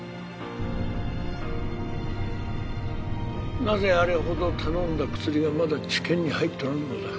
なぜあれほど頼んだ薬がまだ治験に入っとらんのだ？